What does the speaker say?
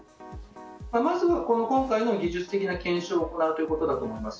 まずは今回の技術的な検証を行うということだと思います。